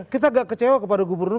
kita agak kecewa kepada gubernur